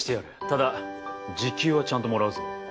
ただ時給はちゃんともらうぞ。